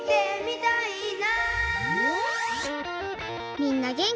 みんなげんき？